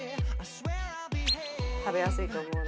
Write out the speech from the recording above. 食べやすいと思うので。